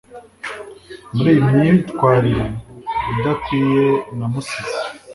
Muriyi myitwarire idakwiye namusize